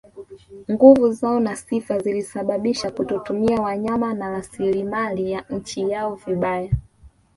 Nguvu zao na sifa zilisababisha kutotumia wanyama na rasilimali ya nchi yao vibaya